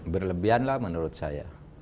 berlebihanlah menurut saya